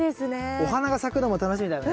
お花が咲くのも楽しみだよね。